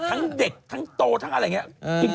ทั้งเด็กทั้งโตทั้งอะไรอย่างนี้